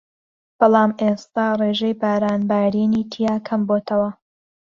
بەڵام ئێستا ڕێژەی باران بارینی تیا کەم بۆتەوە